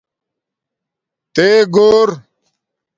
تے گھور